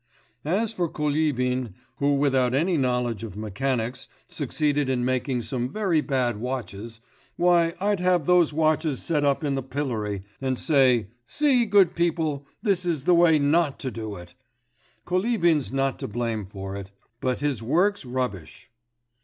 As for Kulibin, who without any knowledge of mechanics succeeded in making some very bad watches, why, I'd have those watches set up in the pillory, and say: see, good people, this is the way not to do it. Kulibin's not to blame for it, but his work's rubbish.